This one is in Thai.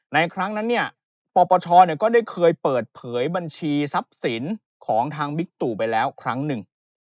ในครั้งนั่นปอปชก็ได้เคยเปิดเผยบัญชีสับสินของทางมิกตุไว้แล้วครั้งนึง